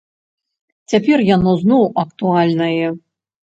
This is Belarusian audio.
Цяпер яно зноў актуальнае.